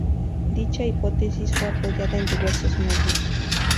Dicha hipótesis fue apoyada en diversos medios.